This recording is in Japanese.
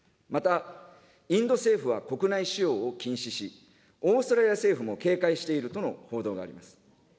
また、インド政府は国内使用を禁止し、オーストラリア政府も警戒しているとの報道があります。